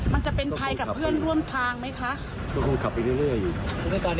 มันจะเป็นภัยกับเพื่อนร่วมทางไหมคะก็คงขับไปเรื่อยอยู่ด้วยกัน